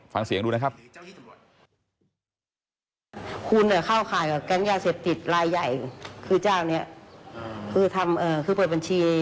ฟังเสียงดูนะครับ